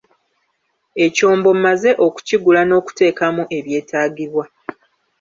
Ekyombo mmaze okukigula n'okuteekamu ebyetaagibwa.